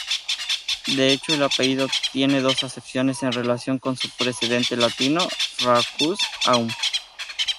De hecho el apellido tiene dos acepciones en relación con su precedente latino: "raucus-a-um".